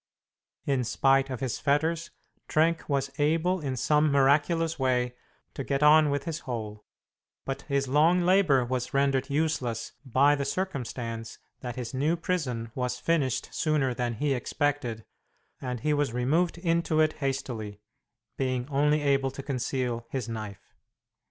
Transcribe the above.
In spite of his fetters, Trenck was able in some miraculous way to get on with his hole, but his long labor was rendered useless by the circumstance that his new prison was finished sooner than he expected, and he was removed into it hastily, being only able to conceal his knife.